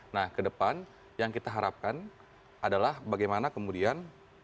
nah ke depan yang kita harapkan adalah bagaimana kemudian